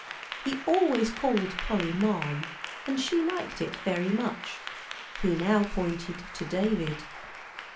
He always called Polly marm, and she liked it very much. He now pointed to David.